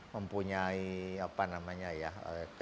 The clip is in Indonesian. mempunyai kecenderungan politik